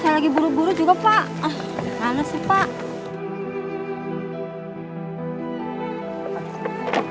saya lagi buru buru juga pak